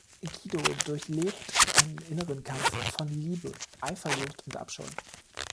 Guido durchlebt einen inneren Kampf von Liebe, Eifersucht und Abscheu.